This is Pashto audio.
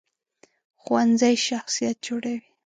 ښوونځی شخصیت جوړوي